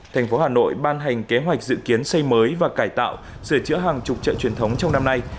thành phố hà nội ban hành kế hoạch dự kiến xây mới và cải tạo sửa chữa hàng chục chợ truyền thống trong năm nay